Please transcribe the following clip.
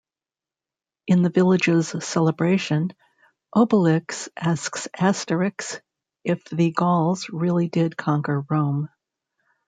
In the village's celebration, Obelix asks Asterix if the Gauls really did conquer Rome.